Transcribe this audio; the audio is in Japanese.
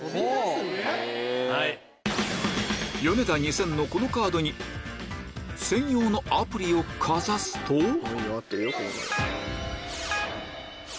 ヨネダ２０００のこのカードに専用のアプリをかざすとえ！